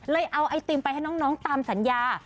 เอาไอติมไปให้น้องตามสัญญา